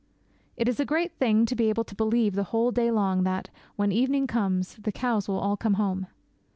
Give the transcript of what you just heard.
It is a great thing to be able to believe the whole day long that, when evening comes, the cows will all come home.